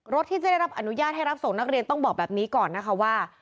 ที่จะได้รับอนุญาตให้รับส่งนักเรียนต้องบอกแบบนี้ก่อนนะคะว่า